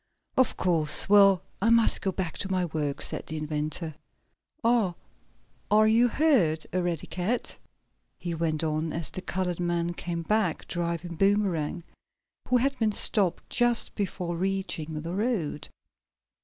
"Of course. Well, I must get back to my work," said the inventor. "Ah, are you hurt, Eradicate?" he went on, as the colored man came back, driving Boomerang, who had been stopped just before reaching the road.